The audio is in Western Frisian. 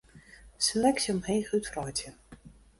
Seleksje omheech útwreidzje.